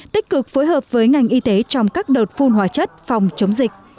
tích cực phối hợp với ngành y tế trong các đợt phun hóa chất phòng chống dịch